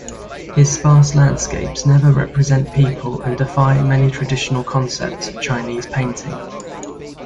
His sparse landscapes never represent people and defy many traditional concepts of Chinese painting.